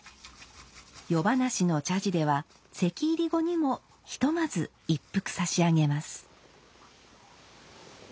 夜咄の茶事では席入り後にもひとまず一服差し上げます。